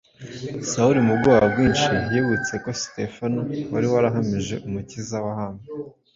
Sawuli mu bwoba bwinshi yibutse ko Sitefano wari warahamije Umukiza wabambwe